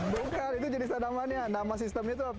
bukan itu jenisnya namanya nama sistemnya itu apa